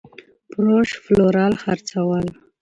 فروش √ پلورل خرڅول